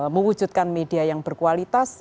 mewujudkan media yang berkualitas